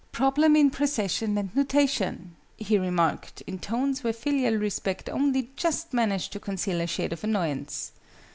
"Problem in Precession and Nutation," he remarked in tones where filial respect only just managed to conceal a shade of annoyance.